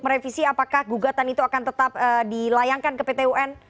merevisi apakah gugatan itu akan tetap dilayangkan ke pt un